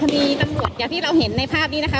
มีตำรวจอย่างที่เราเห็นในภาพนี้นะคะ